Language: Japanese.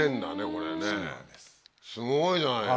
これねすごいじゃない。